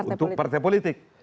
untuk partai politik